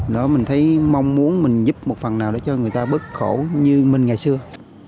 đó mình thấy mong muốn mình giúp một phần nào để cho người ta bớt khổ như mình ngày xưa